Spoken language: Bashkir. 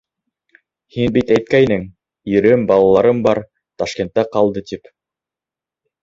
Һин бит әйткәйнең, ирем, балаларым бар, Ташкентта ҡалды тип.